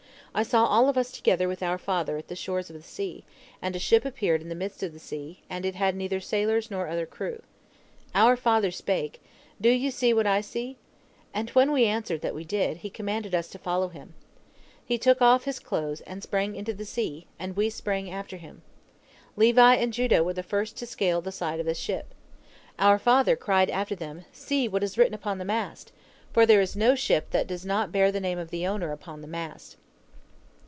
I saw all of us together with our father at the shores of the sea, and a ship appeared in the midst of the sea, and it had neither sailors nor other crew. Our father spake, 'Do you see what I see?' And when we answered that we did, he commanded us to follow him. He took off his clothes, and sprang into the sea, and we sprang after him. Levi and Judah were the first to scale the side of the ship. Our father cried after them, 'See what is written upon the mast,' for there is no ship that does not bear the name of the owner upon the mast.